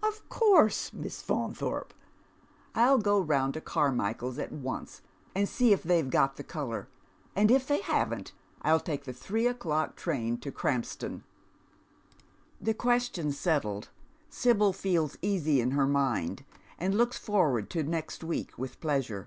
"Of course, Miss Faunthorpe. I'll go round to Carmichael's at once, and see if they've got the colour ; and if they haven't I'll take the three o'clock train to lirampston." This question settled, Sibyl feels easy in her mind, and looks forward to next week with pleasure.